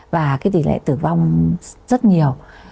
và tỷ lệ tử vong rất nhiều